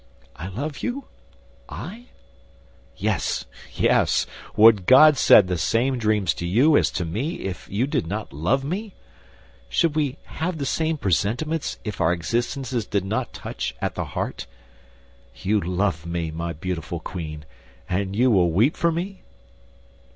"I love you, I?" "Yes, yes. Would God send the same dreams to you as to me if you did not love me? Should we have the same presentiments if our existences did not touch at the heart? You love me, my beautiful queen, and you will weep for me?"